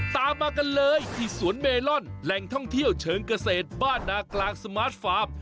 ตามมากันเลยที่สวนเมลอนแหล่งท่องเที่ยวเชิงเกษตรบ้านนากลางสมาร์ทฟาร์ม